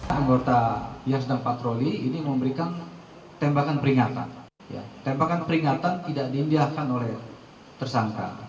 anggota yang sedang patroli ini memberikan tembakan peringatan tembakan peringatan tidak diindahkan oleh tersangka